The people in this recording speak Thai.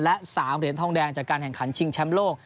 และ๓เหรียญทองแดงจากการแข่งขันชิงแชมป์โลก